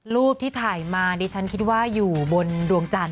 รูปที่ถ่ายมาดิฉันคิดว่าอยู่บนดวงจันท